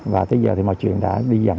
và tới giờ mọi chuyện đã đi dặn